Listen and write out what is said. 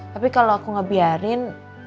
tapi kalo aku gak biarin